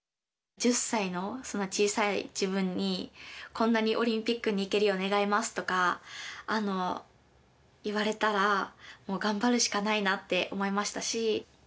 １０歳のそんな小さい自分に、こんなにオリンピックに行けるよう願いますとか言われたら、もう頑張るしかないなって思いましたし。